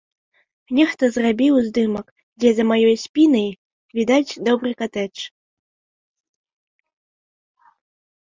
Нехта зрабіў здымак, дзе за маёй спінай відаць добры катэдж.